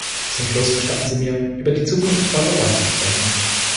Zum Schluss gestatten Sie mir, über die Zukunft Europas zu sprechen.